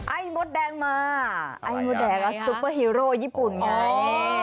ไอ้มดแดงมาไอ้มดแดงก็ซุปเปอร์ฮีโร่ญี่ปุ่นไง